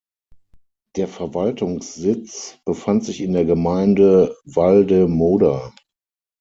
Der Verwaltungssitz befand sich in der Gemeinde Val de Moder.